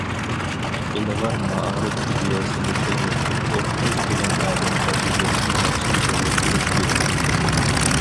ئىلغار مائارىپ ئىدىيەسىنى تۇرغۇزۇپ، ئوقۇتۇش بىلەن ئادەم تەربىيەلەشنى ياخشى بىرلەشتۈرۈش كېرەك.